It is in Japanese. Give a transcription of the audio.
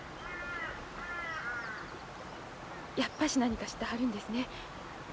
やっぱし何か知ってはるんですね。